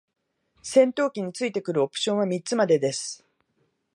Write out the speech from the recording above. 戦闘機に付いてくるオプションは三つまでです。